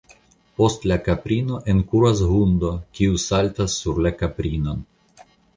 Post la kaprino enkuras hundo, kiu saltas sur la kaprinon.